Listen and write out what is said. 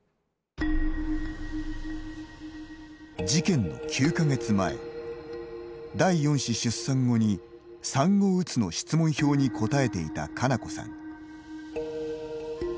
事件の９か月前、第４子出産後に産後うつの質問票に答えていた佳菜子さん。